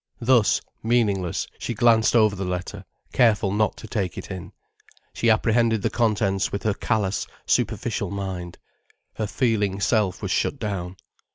Thus, meaningless, she glanced over the letter, careful not to take it in. She apprehended the contents with her callous, superficial mind. Her feeling self was shut down.